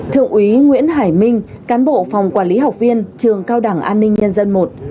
thượng úy nguyễn hải minh cán bộ phòng quản lý học viên trường cao đẳng an ninh nhân dân i